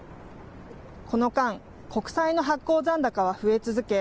この間、国債の発行残高は増え続け